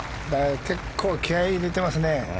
結構気合入れてますね。